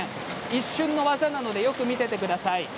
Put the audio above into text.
一瞬の技なのでよく見ていてください。